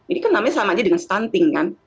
ini kan namanya sama aja dengan stunting kan